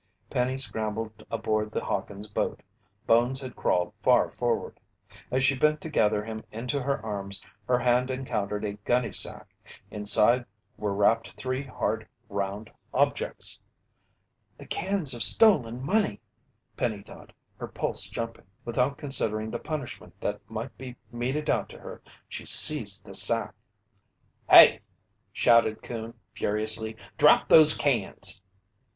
Penny scrambled aboard the Hawkins' boat. Bones had crawled far forward. As she bent to gather him into her arms, her hand encountered a gunny sack. Inside were wrapped three hard, round objects. "The cans of stolen money!" Penny thought, her pulse jumping. Without considering the punishment that might be meted out to her, she seized the sack. "Hey!" shouted Coon furiously. "Drop those cans!"